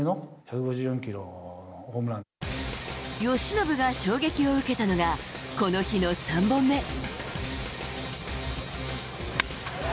由伸が衝撃を受けたのがこの日の３本目。